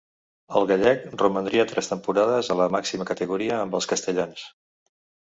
El gallec romandria tres temporades a la màxima categoria amb els castellans.